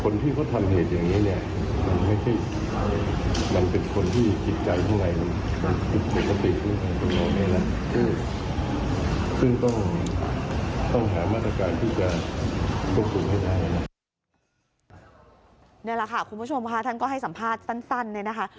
นี่แหละค่ะคุณผู้ชมค่ะท่านก็ให้สัมภาษณ์สั้นเนี่ยนะคะ